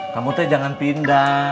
kamu teh jangan pindah